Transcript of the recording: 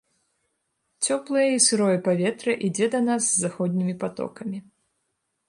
Цёплае і сырое паветра ідзе да нас з заходнімі патокамі.